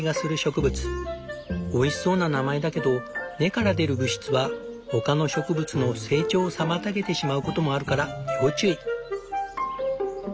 おいしそうな名前だけど根から出る物質は他の植物の成長を妨げてしまうこともあるから要注意。